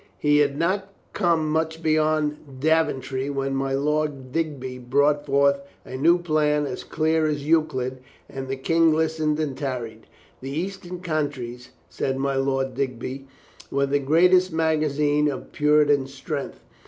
He had not come much beyond Daventry when my Lord Digby brought forth a new plan as clear as Euclid and the King listened and tarried. The Eastern Counties, said my Lord Digby, were the great magazine of Puritan strength.